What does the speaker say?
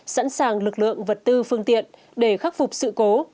sẵn sàng lực lượng vật tư phương tiện để khắc phục sự cố